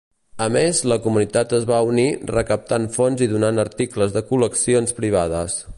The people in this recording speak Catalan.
A més, la comunitat es va unir, recaptant fons i donant articles de col·leccions privades.